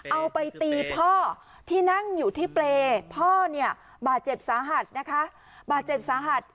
เอาไปตีพ่อที่นั่งอยู่ที่เปลพอบ่าเจ็บสาหัส